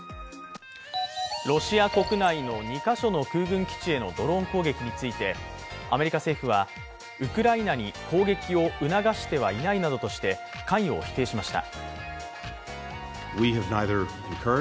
ロシア国内の２か所の空軍基地へのドローン攻撃についてアメリカ政府は、ウクライナに攻撃を促していないなどとして関与を否定しました。